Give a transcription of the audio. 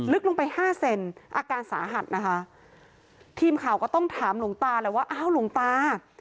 ลึกลงไปห้าเซนอาการสาหัสนะคะทีมข่าวก็ต้องถามหลวงตาแหละว่าอ้าวหลวงตา